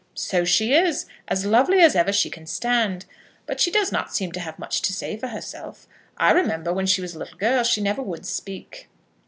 "So she is; as lovely as ever she can stand. But she does not seem to have much to say for herself. I remember when she was a little girl she never would speak."